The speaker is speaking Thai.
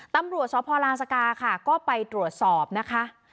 ตำรวจสพลานสกาค่ะก็ไปตรวจสอบนะคะ